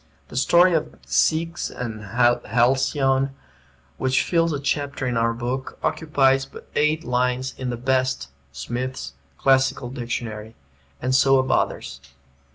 The story of Ceyx and Halcyone, which fills a chapter in our book, occupies but eight lines in the best (Smith's) Classical Dictionary; and so of others.